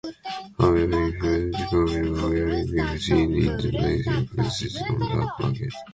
However, inflation could clearly be seen in the rising prices on the black market.